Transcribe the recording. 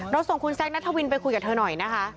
ส่งคุณแซคนัทวินไปคุยกับเธอหน่อยนะคะ